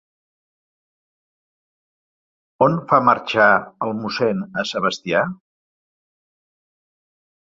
On fa marxar el mossèn a Sebastià?